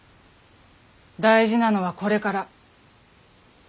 大事なのはこれから。